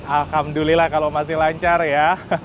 alhamdulillah kalau masih lancar ya